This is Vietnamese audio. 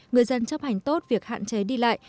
người dân chấp hành tốt việc hạn chế đi lại